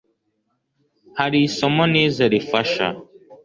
hari isomo nize rifasha